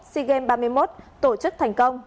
sigem ba mươi một tổ chức thành công